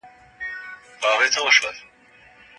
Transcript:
بیزو 🐒